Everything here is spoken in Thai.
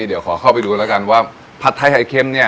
เดี๋ยวขอเข้าไปดูแล้วกันว่าผัดไทยไข่เค็มเนี่ย